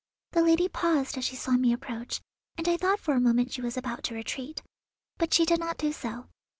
The lady paused as she saw me approach, and I thought for a moment she was about to retreat. But she did not do so.